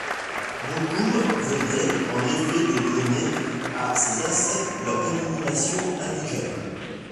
Mokoum venait, en effet, de donner à ces insectes leur dénomination indigène.